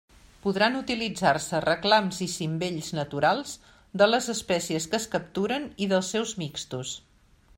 Podran utilitzar-se reclams i cimbells naturals de les espècies que es capturen i dels seus mixtos.